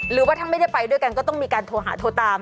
หรือว่าถ้าไม่ได้ไปด้วยกันก็ต้องมีการโทรหาโทรตาม